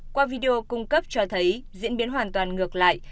qua video cung cấp cho thấy diễn biến hoàn toàn ngược lại